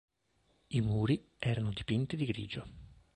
I muri erano dipinti di grigio.